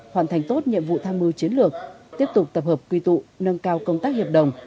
hoàn thành tốt nhiệm vụ tham mưu chiến lược tiếp tục tập hợp quy tụ nâng cao công tác hiệp đồng